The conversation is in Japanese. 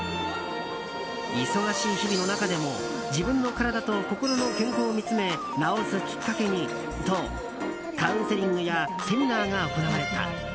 忙しい日々の中でも自分の体と心の健康を見つめ直すきっかけにとカウンセリングやセミナーが行われた。